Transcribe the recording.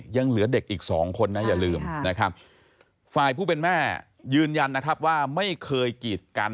ยังเหลือเด็กอีกสองคนนะอย่าลืมนะครับฝ่ายผู้เป็นแม่ยืนยันนะครับว่าไม่เคยกีดกัน